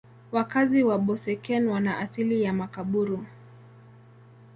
Wazazi wa Boeseken wana asili ya Makaburu.